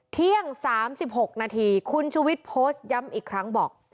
เที่ยง๓๖นาทีคุณชุวิตโพสต์ย้ำอีกครั้งบอก